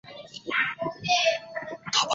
桑格布斯。